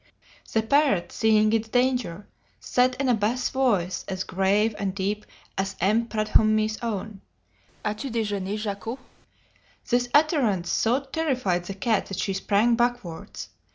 The parrot, seeing its danger, said in a bass voice as grave and deep as M. Prudhomme's own, 'As tu déjeuné, Jacquot?' "This utterance so terrified the cat that she sprang backwards.